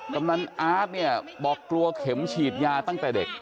กำนันอาร์ตเนี่ยบอกกลัวเข็มฉีดยาตั้งแต่เด็ก